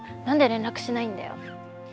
「何で連絡しないんだよ」。